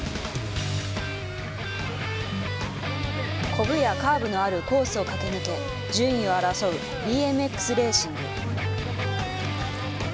こぶやカーブのあるコースを駆け抜け、順位を争うＢＭＸレーシング。